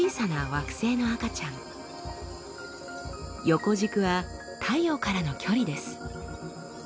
横軸は太陽からの距離です。